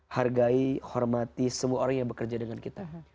hargai hormati semua orang yang bekerja dengan kita